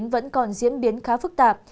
vẫn còn diễn biến khá phức tạp